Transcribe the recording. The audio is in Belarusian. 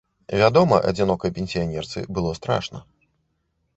Вядома, адзінокай пенсіянерцы было страшна.